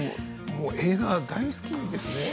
映画、大好きですね。